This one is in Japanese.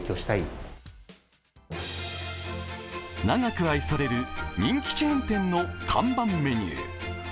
長く愛される人気チェーン店の看板メニュー。